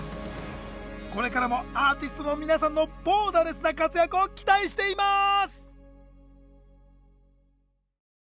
これからもアーティストの皆さんのボーダレスな活躍を期待しています！